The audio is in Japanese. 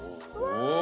お！